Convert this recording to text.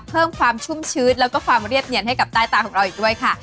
เพิ่มความชุ่มชื้นแล้วก็ความเรียบเนียนให้กับใต้ตาของเราอีกด้วยค่ะ